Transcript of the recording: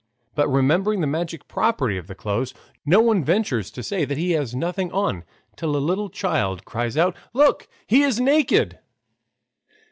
But remembering the magic property of the clothes, no one ventures to say that he has nothing on till a little child cries out: "Look, he is naked!"